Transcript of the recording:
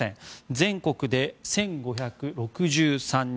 全国で１５６３人。